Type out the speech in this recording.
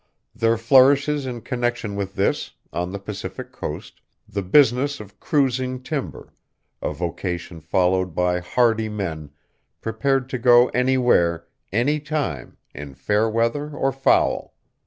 There flourishes in connection with this, on the Pacific coast, the business of cruising timber, a vocation followed by hardy men prepared to go anywhere, any time, in fair weather or foul.